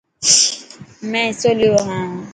مين حصو ليو هان.